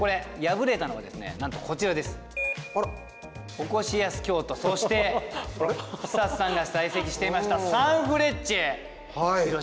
おこしやす京都そして寿人さんが在籍していましたサンフレッチェ広島。